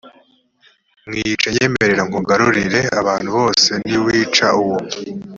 mwice c nyemerera nkugarurire abantu bose niwica uwo